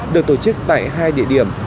được tổ chức tại hai địa điểm